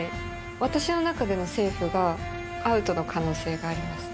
私の中でのセーフがアウトの可能性があります。